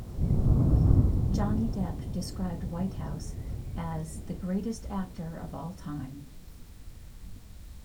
Johnny Depp described Whitehouse as "the greatest actor of all time".